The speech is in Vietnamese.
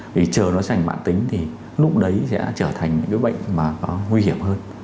vì chờ nó trở thành mạng tính thì lúc đấy sẽ trở thành bệnh nguy hiểm hơn